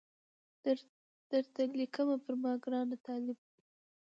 درته لیکمه پر ما ګران طالبه